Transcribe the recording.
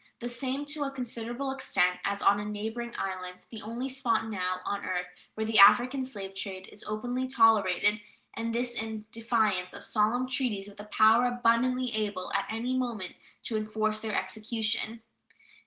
The same to a considerable extent as on a neighboring island, the only spot now on earth where the African slave trade is openly tolerated, and this in defiance of solemn treaties with a power abundantly able at any moment to enforce their execution.